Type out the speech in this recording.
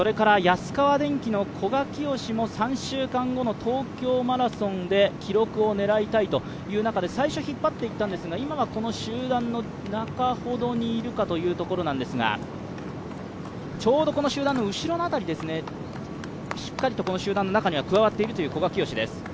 安川電機の古賀淳紫も３週間後の東京マラソンで記録を狙いたいという中で最初引っ張っていったんですが今はこの集団の中ほどにいるかというところなんですが、ちょうどこの集団の後ろの辺りですね、しっかりとこの集団の中には加わっているという古賀淳紫です。